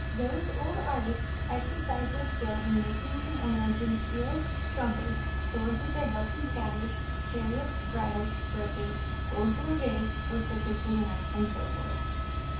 Those old artists exercised their skill in making and ornamenting shields; trumpets; swords with their hilts and scabbards; chariots; bridles; brooches; gold gorgets or circlets for the neck; and so forth.